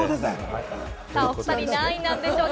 お２人、何位なんでしょうか？